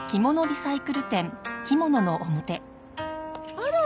あら？